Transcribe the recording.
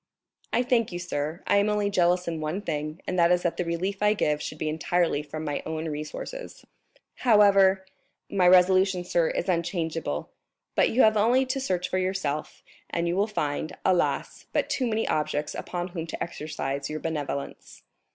"I thank you, sir; I am only jealous in one thing, and that is that the relief I give should be entirely from my own resources." "However——" "My resolution, sir, is unchangeable, but you have only to search for yourself and you will find, alas, but too many objects upon whom to exercise your benevolence."